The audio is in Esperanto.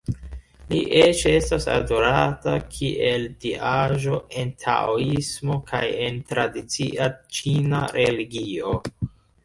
Li eĉ estas adorata kiel diaĵo en taoismo kaj en tradicia ĉina religio.